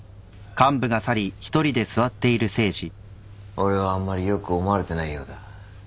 俺はあんまり良く思われてないようだ。